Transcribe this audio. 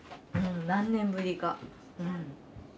何年ぶりか。